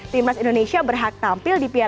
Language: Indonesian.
timnas indonesia berhak tampil di piala u dua puluh